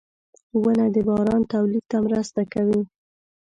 • ونه د باران تولید ته مرسته کوي.